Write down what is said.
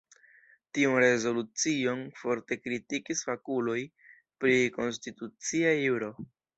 Tiun rezolucion forte kritikis fakuloj pri Konstitucia Juro.